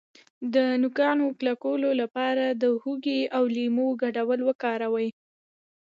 د نوکانو کلکولو لپاره د هوږې او لیمو ګډول وکاروئ